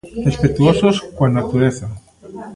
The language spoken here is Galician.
Respectuosos coa natureza.